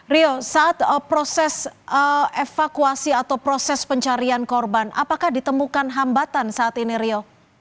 rio saat proses evakuasi atau proses pencarian korban apakah ditemukan hambatan saat ini rio